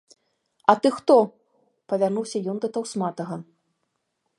А ты хто? - павярнуўся ён да таўсматага.